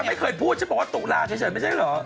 ไม่เคยพูดฉันบอกว่าตุลาเฉยไม่ใช่เหรอ